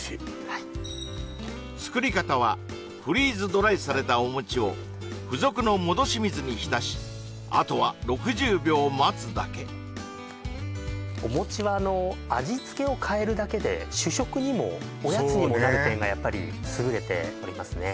はい作り方はフリーズドライされたお餅を付属の戻し水に浸しあとは６０秒待つだけお餅は味付けを変えるだけで点がやっぱり優れておりますね